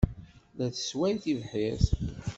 La tessway tibḥirt.